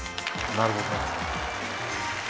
なるほど。